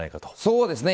そうですね。